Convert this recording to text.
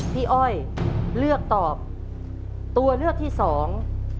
อ้อยเลือกตอบตัวเลือกที่สอง